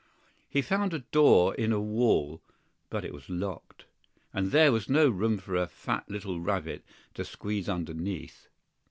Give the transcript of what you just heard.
HE found a door in a wall; but it was locked, and there was no room for a fat little rabbit to squeeze underneath.